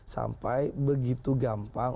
sampai begitu gampang